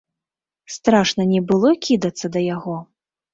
Страшна не было кідацца да яго?